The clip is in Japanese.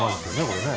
これね。